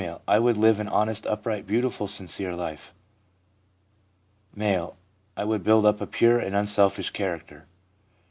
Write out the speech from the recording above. I would live an honest, upright, beautiful, sincere life.' M. ' I would build up a pure and unselfish character/ M.